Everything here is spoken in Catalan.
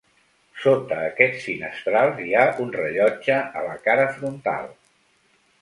Sota aquests finestrals hi ha un rellotge a la cara frontal.